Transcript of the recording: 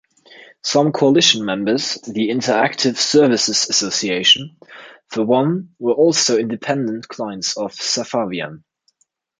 Some coalition members-the Interactive Services Association, for one-were also independent clients of Safavian.